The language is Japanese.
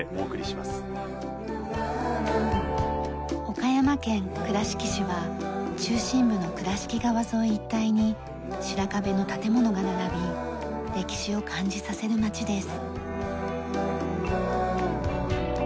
岡山県倉敷市は中心部の倉敷川沿い一帯に白壁の建物が並び歴史を感じさせる町です。